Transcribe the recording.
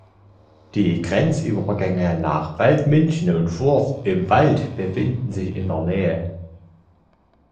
Die Grenzübergänge nach Waldmünchen und Furth im Wald befinden sich in der Nähe.